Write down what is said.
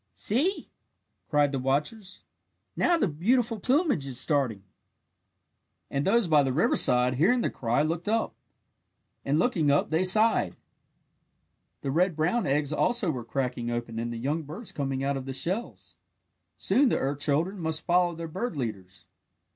"See!" cried the watchers, "now the beautiful plumage is starting!" And those by the riverside, hearing the cry, looked up, and looking up they sighed. The red brown eggs also were cracking open and the young birds coming out of the shells. Soon the earth children must follow their bird leaders.